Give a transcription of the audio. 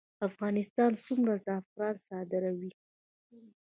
افغانستان څومره زعفران صادروي؟